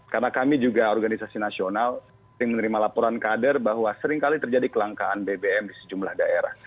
karena kami juga organisasi nasional yang menerima laporan kader bahwa sering kali terjadi kelangkaan bbm di sejumlah daerah